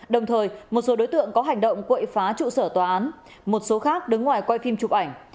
đồng thời một số đối tượng có hành động quậy phá trụ sở tòa án một số khác đứng ngoài quay phim chụp ảnh